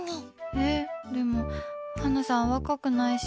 え、でもハナさん若くないし。